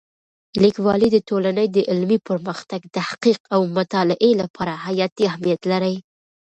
لیکوالی د ټولنې د علمي پرمختګ، تحقیق او مطالعې لپاره حیاتي اهمیت لري.